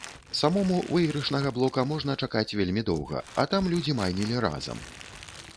Самому выйгрышнага блока можна чакаць вельмі доўга, а там людзі майнілі разам.